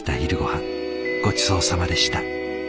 ごちそうさまでした。